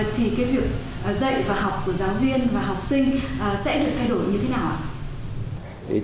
thì cái việc dạy và học của giáo viên và học sinh sẽ được thay đổi như thế nào ạ